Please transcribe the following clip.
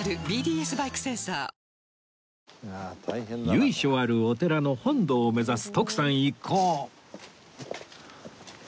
由緒あるお寺の本堂を目指す徳さん一行